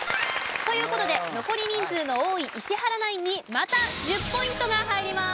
という事で残り人数の多い石原ナインにまた１０ポイントが入ります。